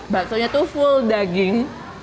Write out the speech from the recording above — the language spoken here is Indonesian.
baksonya tuh full daging